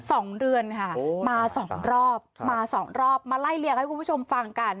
สองเรือนค่ะมาสองรอบมาสองรอบมาไล่เลี่ยงให้คุณผู้ชมฟังกัน